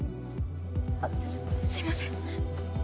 あっすすいません。